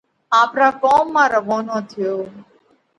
آپرا ڪوم مانه روَونو ٿيو۔